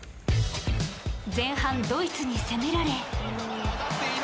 前半、ドイツに攻められ。